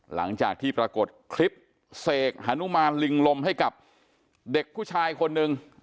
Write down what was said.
หลังจากที่ปรากฏคลิปเสกฮานุมานลิงลมให้กับเด็กผู้ชายคนหนึ่ง